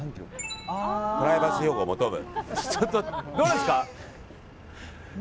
プライバシー保護求む。